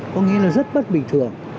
có nghĩa là rất bất bình thường